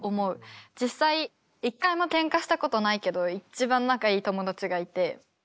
実際一回もケンカしたことないけど一番仲いい友達がいて。